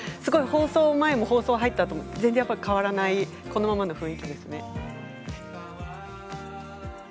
放送前も放送に入っても全然変わらないこのままの雰囲気ですね。。